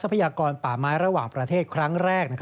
พยากรป่าไม้ระหว่างประเทศครั้งแรก